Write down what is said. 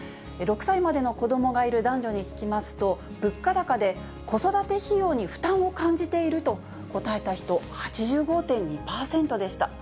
６歳までの子どもがいる男女に聞きますと、物価高で子育て費用に負担を感じていると答えた人、８５．２％でした。